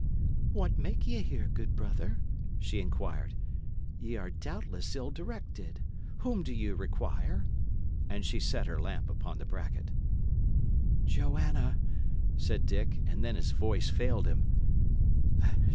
"What make ye here, good brother?" she inquired. "Ye are doubtless ill directed. Whom do ye require? And she set her lamp upon the bracket. "Joanna," said Dick; and then his voice failed him.